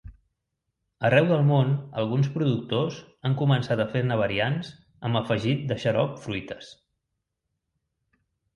Arreu del món alguns productors han començat a fer-ne variants amb afegit de xarop fruites.